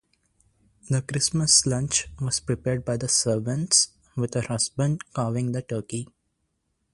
The Christmas lunch was prepared by the servants with her husband carving the turkey.